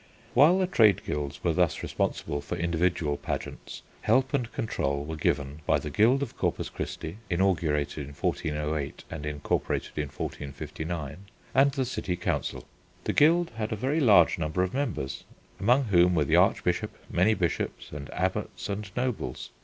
While the trade guilds were thus responsible for individual pageants, help and control were given by the Guild of Corpus Christi (inaugurated in 1408 and incorporated in 1459), and the city council. The guild had a very large number of members, among whom were the Archbishop, many bishops and abbots and nobles.